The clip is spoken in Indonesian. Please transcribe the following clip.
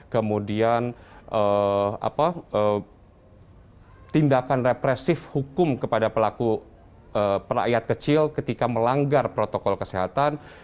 kemudian tindakan represif hukum kepada pelaku rakyat kecil ketika melanggar protokol kesehatan